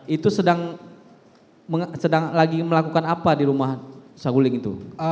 itu sedang lagi melakukan apa di rumah saguling itu